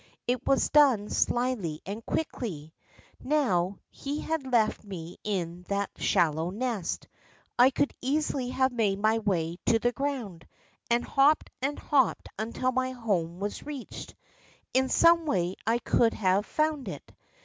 It was done slyly and quickly. Now, had he left me in that shallow nest, I could easily have made my way to the ground, and hopped and hopped until my home was reached. In some way I could have found it.